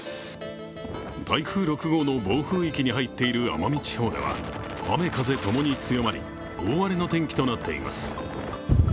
台風６号の暴風域に入っている奄美地方では雨風ともに強まり、大荒れの天気となっています。